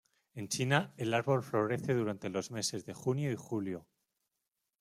En China, el árbol de florece durante los meses de junio y julio.